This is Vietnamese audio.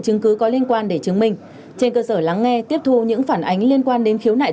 chứng cứ có liên quan để chứng minh trên cơ sở lắng nghe tiếp thu những phản ánh liên quan đến khiếu nại